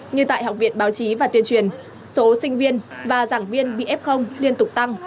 như tại học viện báo chí và tuyên truyền số sinh viên và giảng viên bị f liên tục tăng